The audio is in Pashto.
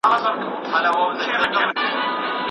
قوانین باید روښانه او عادلانه وي.